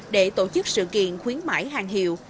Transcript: để tổ chức sự kiện khuyến mái hàng hiệu